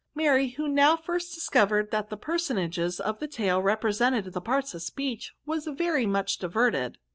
'" Mary, who now first discovered that the personages of the tale represented the parts of speech, was very much diverted.